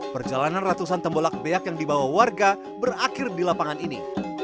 perjalanan ratusan tembolak beak yang dibawa warga berakhir di lapangan ini